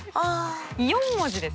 ４文字です。